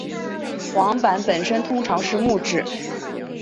晃板本身通常是木制。